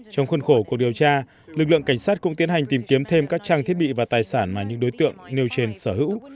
trong khuôn khổ cuộc điều tra lực lượng cảnh sát cũng tiến hành tìm kiếm thêm các trang thiết bị và tài sản mà những đối tượng nêu trên sở hữu